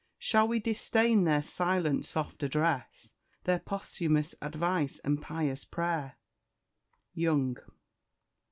Shall we disdain their silent, soft address; Their posthumous advice and pious prayer?" YOUNG.